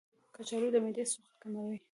کچالو د معدې سوخت کموي.